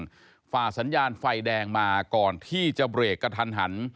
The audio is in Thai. การเร่งเครื่องฝ่าสัญญาณไฟแดงมาก่อนที่จะเบรกกระทันหัน